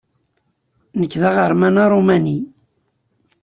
Nekk d aɣerman aṛumani.